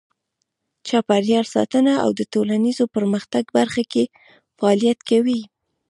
چاپیریال ساتنه او د ټولنیز پرمختګ برخه کې فعالیت کوي.